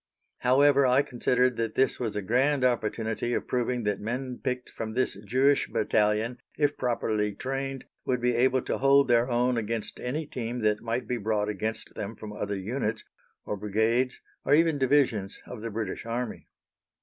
However, I considered that this was a grand opportunity of proving that men picked from this Jewish Battalion, if properly trained, would be able to hold their own against any team that might be brought against them from other units, or brigades, or even divisions, of the British Army.